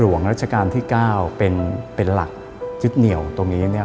หลวงราชการที่๙เป็นหลักยึดเหนี่ยวตรงนี้